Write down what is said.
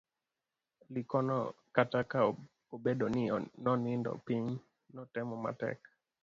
Likono kata ka obedo ni nonindo piny, notemo matek